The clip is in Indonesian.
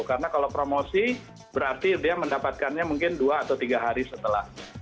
karena kalau promosi berarti dia mendapatkannya mungkin dua atau tiga hari setelah